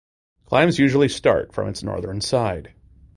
Climbs usually start from its northern side.